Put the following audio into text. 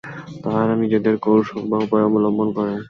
তাহারা নিজেদের কৌশল বা উপায় অবলম্বন করে।